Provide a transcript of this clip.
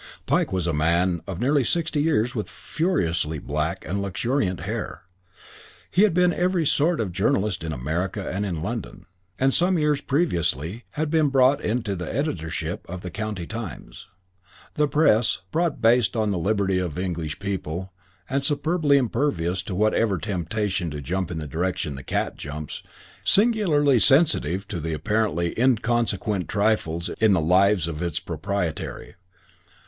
Pike was a man of nearly sixty with furiously black and luxuriant hair. He had been every sort of journalist in America and in London, and some years previously had been brought into the editorship of the County Times. The Press, broad based on the liberty of the English people and superbly impervious to whatever temptation to jump in the direction the cat jumps, is, on the other hand, singularly sensitive to apparently inconsequent trifles in the lives of its proprietary.